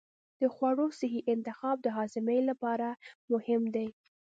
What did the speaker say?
د خوړو صحي انتخاب د هاضمې لپاره مهم دی.